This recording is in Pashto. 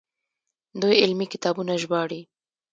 دوی علمي کتابونه ژباړي.